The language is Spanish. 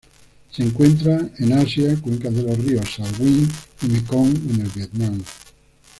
Se encuentran en Asia: cuencas de los ríos Salween y Mekong en el Vietnam.